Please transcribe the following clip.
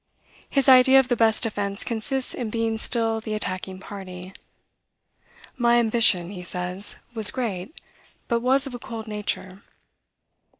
His idea of the best defense consists in being still the attacking party. "My ambition," he says, "was great, but was of a cold nature."